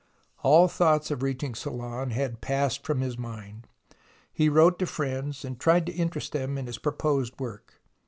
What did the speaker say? All thoughts of reaching Ceylon had passed from his mind. He wrote to friends, and tried to interest them in his proposed work.